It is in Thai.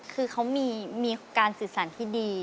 คือเขามีการสื่อสารที่ดี